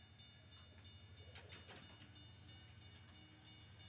Strana v kraji získala pouze dva mandáty a Svoboda se stal čtvrtým náhradníkem.